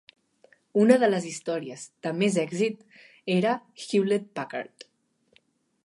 Una de les històries de més èxit era Hewlett-Packard.